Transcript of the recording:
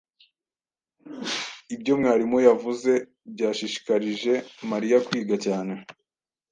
Ibyo mwarimu yavuze byashishikarije Mariya kwiga cyane.